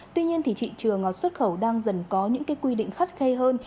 tuy nhiên trị trường xuất khẩu đang dần có những quy định khắt khay hơn